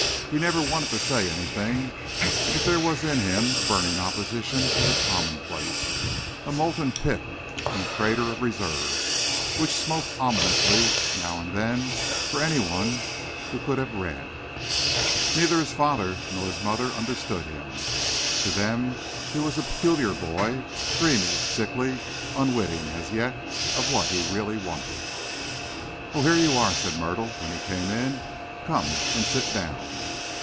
He never wanted to say anything, but there was in him a burning opposition to the commonplace, a molten pit in a crater of reserve, which smoked ominously now and then for anyone who could have read. Neither his father nor his mother understood him. To them he was a peculiar boy, dreamy, sickly, unwitting, as yet, of what he really wanted. "Oh, here you are!" said Myrtle, when he came in. "Come and sit down."